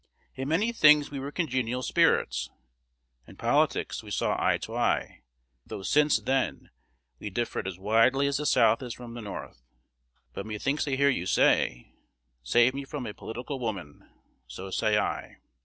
In many things we were congenial spirits. In politics we saw eye to eye, though since then we differed as widely as the South is from the North. But methinks I hear you say, "Save me from a political woman!" So say I.